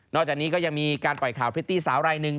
นอกจากนี้ก็ยังมีการปล่อยข่าวพิธีสาวไลน์หนึ่ง